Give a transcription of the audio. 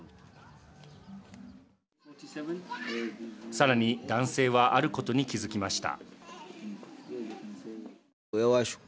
さらに男性はあることに気づきました。